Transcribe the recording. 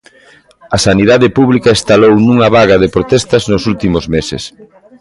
A sanidade pública estalou nunha vaga de protestas nos últimos meses.